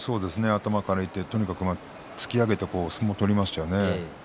頭からいってとにかく突き上げて相撲を取りましたね。